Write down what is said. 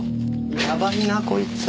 やばいなこいつ。